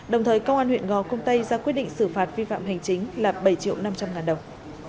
đồng thời công an huyện gò công tây ra quyết định xử phạt vi phạm hành chính là bảy triệu năm trăm linh ngàn đồng